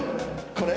これ？